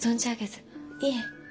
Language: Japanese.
いえ。